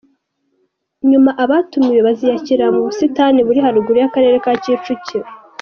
Nyuma , abatumiwe baziyakirira mu busitani buri haruguru y’Akarere ka Kicukiro.